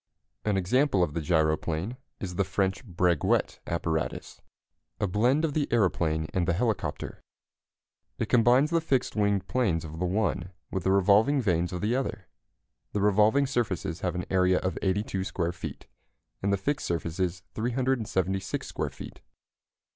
An example of the gyroplane is the French Breguet apparatus, a blend of the aeroplane and the helicopter. It combines the fixed wing planes of the one with the revolving vanes of the other. The revolving surfaces have an area of 82 square feet, and the fixed surfaces 376 square feet.